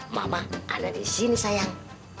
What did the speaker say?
mama ada di sini sayang